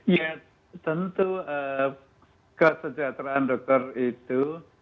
ya tentu kesejahteraan dokter itu